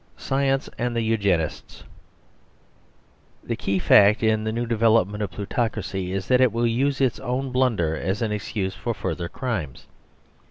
SCIENCE AND THE EUGENISTS The key fact in the new development of plutocracy is that it will use its own blunder as an excuse for further crimes.